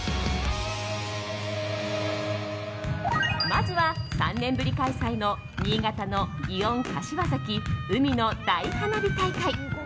まずは３年ぶり開催の新潟のぎおん柏崎海の大花火大会。